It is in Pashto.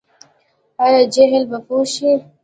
آیا جهل به پوهه شي؟